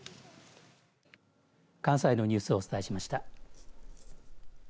関西のニュースをお伝えしました。